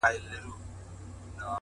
لوړ فکر کوچني خنډونه کمزوري کوي’